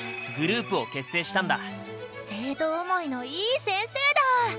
生徒思いのいい先生だ。